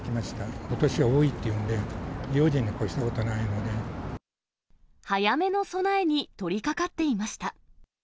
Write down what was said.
ことしは多いっていうんで、早めの備えに取りかかっていました。